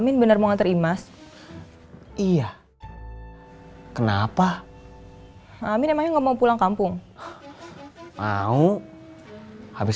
amin bener mau nganter imas iya kenapa amin emangnya ngomong pulang kampung mau habis